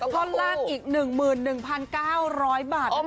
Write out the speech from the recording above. ท่อนล่างอีก๑๑๙๐๐บาท